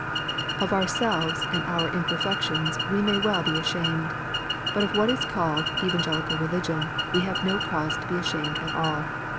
Of ourselves and our imperfections we may well be ashamed ; but of what is called " Evangelical Religion " we have no cause to be ashamed at all.